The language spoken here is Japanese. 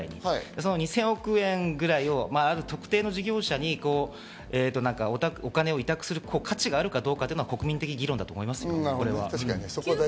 その２０００億円ぐらいをある特定の事業者にお金を委託する価値があるかどうかというのが国民的議論だと思います。